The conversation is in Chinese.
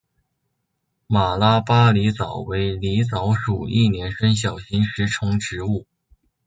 马拉巴尔狸藻为狸藻属一年生小型食虫植物。